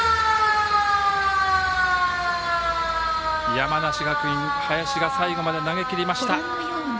山梨学院、林が最後まで投げきりました。